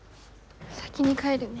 先に帰るね。